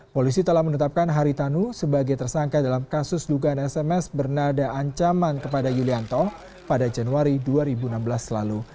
polisi telah menetapkan haritanu sebagai tersangka dalam kasus dugaan sms bernada ancaman kepada yulianto pada januari dua ribu enam belas lalu